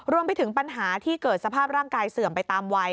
รวมไปถึงปัญหาที่เกิดสภาพร่างกายเสื่อมไปตามวัย